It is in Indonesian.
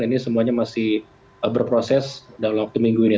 ini semuanya masih berproses dalam waktu minggu ini